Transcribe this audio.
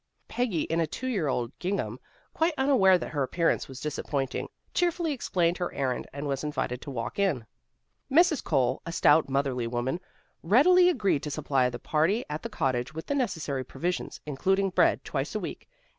Peggy, in a two year old gingham, quite unaware that her appearance was disappointing, cheerfully explained her errand and was invited to walk in. Mrs. Cole, a stout, motherly woman, readily agreed to supply the party at the cottage with the necessary provisions, including bread, twice a week.